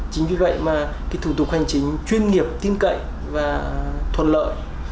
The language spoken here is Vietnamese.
chính vì vậy mà thủ tục hành chính chuyên nghiệp tin cậy và thuận lợi